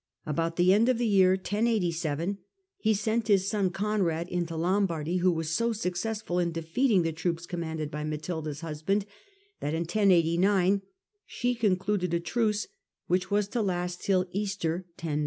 About the end of the year 1087, he sent his son Conrad into Lombardy, who was so successful in defeating the troops commanded by Matilda's husband that in 1089 she concluded a truce, which was to last tm Easter 1090.